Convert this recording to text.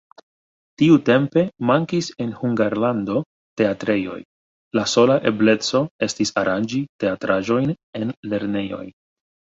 Tiutempe mankis en Hungarlando teatrejoj, la sola ebleco estis aranĝi teatraĵojn en lernejoj.